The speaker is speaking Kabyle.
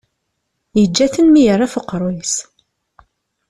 Yeǧǧa-ten mi yerra ɣef uqerruy-is.